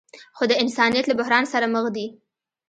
خو د انسانیت له بحران سره مخ دي.